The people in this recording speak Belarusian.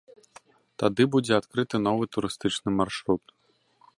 Тады будзе адкрыты новы турыстычны маршрут.